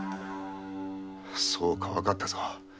そうかわかったぞ。